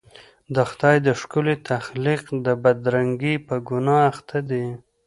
د خدای د ښکلي تخلیق د بدرنګۍ په ګناه اخته دي.